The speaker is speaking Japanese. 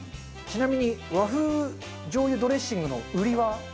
ちなみに和風しょうゆドレッシングの売りは？